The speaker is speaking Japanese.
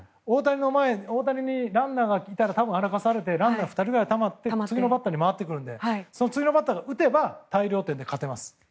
大谷にランナーがいたら歩かされてランナー２人ぐらいたまって次のバッターに回るので次のバッターが打てば大量点で勝てます。